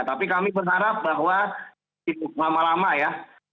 tapi kami berharap bahwa tidak lama lama ya